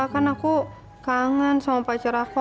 kan aku kangen sama pacar aku